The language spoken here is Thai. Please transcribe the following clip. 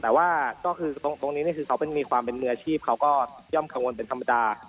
แต่ว่าก็คือตรงนี้นี่คือเขามีความเป็นมืออาชีพเขาก็ย่อมกังวลเป็นธรรมดา